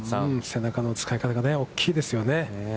背中の使い方がいいですよね。